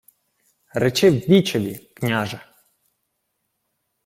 — Речи вічеві, княже!